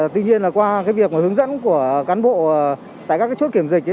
tuy nhiên là qua việc hướng dẫn của cán bộ tại các chốt kiểm dịch